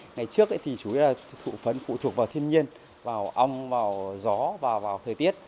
ngày trước thì chủ yếu là phụ phấn phụ thuộc vào thiên nhiên vào ong vào gió và vào thời tiết